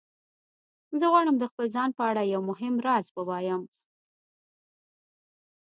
زه غواړم د خپل ځان په اړه یو مهم راز ووایم